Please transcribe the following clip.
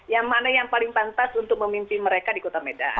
yang mana yang paling pantas untuk memimpin mereka di kota medan